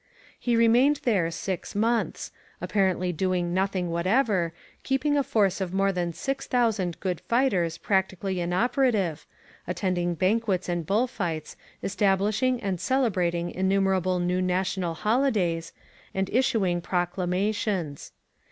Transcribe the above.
He remained there six months, apparently doing nothing whatever, keeping a force of more than 6,000 good fighters practically inoperative, attending banquets and bull fights, establishing and celebrating innumerable new national holidays, and issuing procla mations.